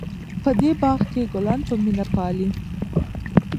په دې باغ کې ګلان په مینه پالي.